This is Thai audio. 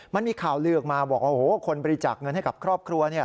มันมีข่าวลือออกมาบอกว่าโอ้โหคนบริจาคเงินให้กับครอบครัว